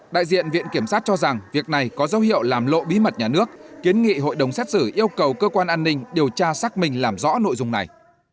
đại diện viện kiểm sát cho rằng việc này có dấu hiệu làm lộ bí mật nhà nước kiến nghị hội đồng xét xử yêu cầu cơ quan an ninh điều tra xác minh làm rõ nội dung này